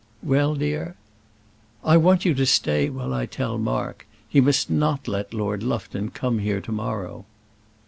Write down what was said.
"Well, dear?" "I want you to stay while I tell Mark. He must not let Lord Lufton come here to morrow."